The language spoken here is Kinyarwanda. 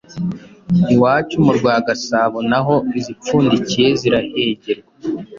Iwacu mu rwa Gasabo na ho izipfundikiye zirahengerwa